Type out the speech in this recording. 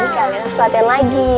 tapi ini kalian harus latihan lagi